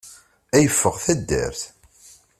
Ad yeffeɣ taddart!